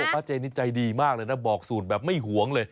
ป้าเจนี่ใจดีมากเลยนะบอกสูตรแบบไม่หวงเลย